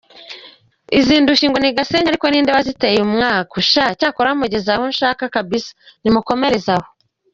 Izi ndushyi ngo ni gasenyi ark ninde waziteyumwaku???sha cyakora mugezahonshaka kbs ninukomerezaho.